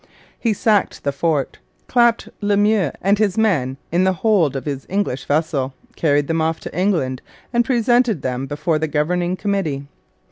He sacked the fort, clapped Le Meux and his men in the hold of his English vessel, carried them off to England, and presented them before the Governing Committee.